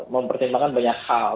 mempertimbangkan banyak hal